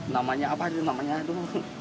namanya apa itu